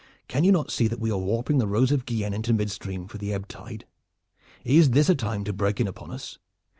"Can you not see that we are warping the Rose of Guienne into midstream for the ebb tide? Is this a time to break in upon us?